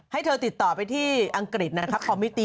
ให้เธอติดต่อไปที่อังกฤษนะครับคอมมิวตี